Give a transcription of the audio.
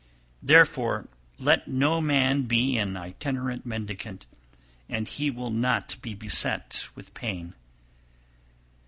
Therefore let no man be an itinerant mendicant and he will not be beset with pain.